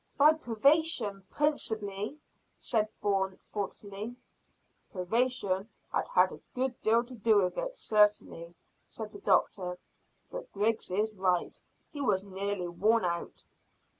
"By privation principally," said Bourne thoughtfully. "Privation had had a good deal to do with it certainly," said the doctor; "but Griggs is right, he was nearly worn out."